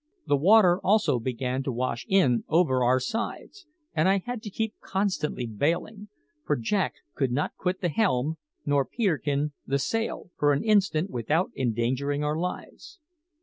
The water also began to wash in over our sides, and I had to keep constantly bailing; for Jack could not quit the helm, nor Peterkin the sail, for an instant, without endangering our lives.